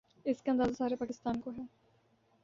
، اس کا اندازہ سارے پاکستان کو ہے۔